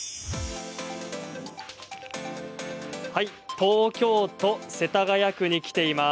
東京都世田谷区に来ています。